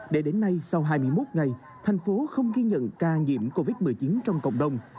để đến nay sau hai mươi một ngày thành phố không ghi nhận ca nhiễm covid một mươi chín trong cộng đồng